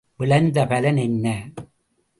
விளைந்த பலன் என்ன?